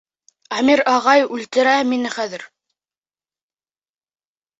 Әмир ағай үлтерә мине хәҙер!